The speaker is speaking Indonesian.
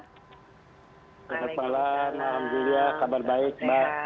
selamat malam alhamdulillah kabar baik mbak